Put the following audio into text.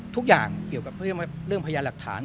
ทุกอย่างเกี่ยวกับเรื่องพยานหลักฐาน